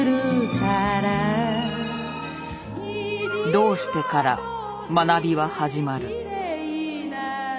「どうして」から学びは始まる。